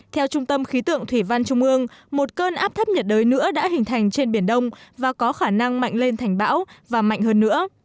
theo trung tâm khí tượng thủy văn trung ương một cơn áp thấp nhiệt đới nữa đã hình thành trên biển đông và có khả năng mạnh lên thành bão và mạnh hơn nữa